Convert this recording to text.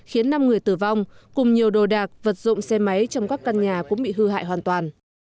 khiến năm người tử vong cùng nhiều đồ đạc vật dụng xe máy trong các căn nhà cũng bị hư hại hoàn toàn